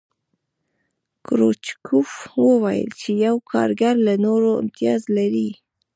کرو چکوف وویل چې یو کارګر له نورو امتیاز لري